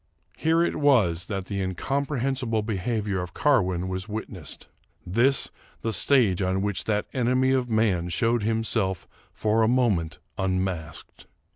Here it was that the incomprehensible behavior of Car win was witnessed; this the stage on which that enemy of man showed himself for a moment unmasked.